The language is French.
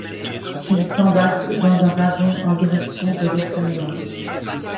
Il s'embarque dans un wagon en direction de l'Oklahoma.